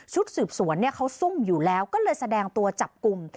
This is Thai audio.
สืบสวนเขาซุ่มอยู่แล้วก็เลยแสดงตัวจับกลุ่ม